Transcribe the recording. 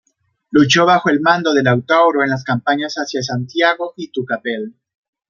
Luchó bajo el mando de Lautaro en las campañas hacia Santiago y Tucapel.